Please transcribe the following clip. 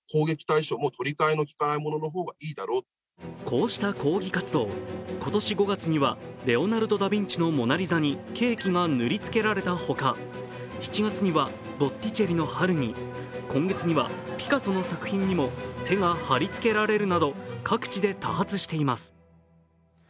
こうした抗議活動、今年５月にはレオナルド・ダ・ヴィンチの「モナ・リザ」にケーキが塗りつけられたほか７月には、ボッティチェリの「春」に今月にはピカソの作品にも手が張り付けられるなど各地で多発しています。